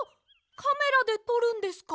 カメラでとるんですか？